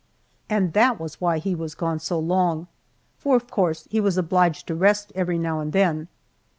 And that was why he was gone so long, for of course he was obliged to rest every now and then.